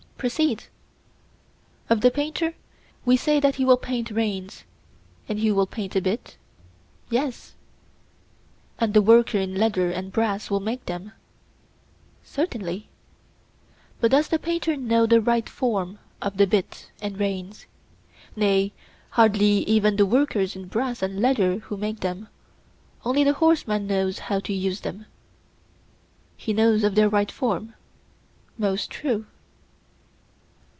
Proceed. Of the painter we say that he will paint reins, and he will paint a bit? Yes. And the worker in leather and brass will make them? Certainly. But does the painter know the right form of the bit and reins? Nay, hardly even the workers in brass and leather who make them; only the horseman who knows how to use them—he knows their right form. Most true.